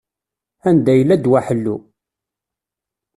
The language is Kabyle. Anda yella ddwa ḥellu?